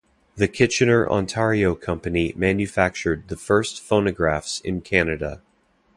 The Kitchener, Ontario company manufactured the first phonographs in Canada.